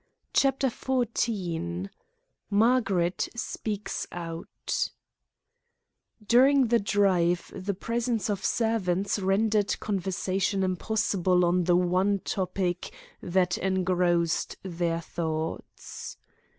CHAPTER XIV MARGARET SPEAKS OUT During the drive the presence of servants rendered conversation impossible on the one topic that engrossed their thoughts.